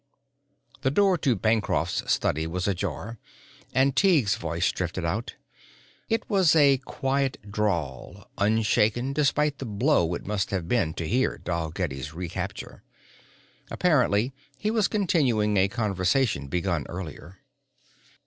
The door to Bancroft's study was ajar and Tighe's voice drifted out. It was a quiet drawl, unshaken despite the blow it must have been to hear of Dalgetty's recapture. Apparently he was continuing a conversation begun earlier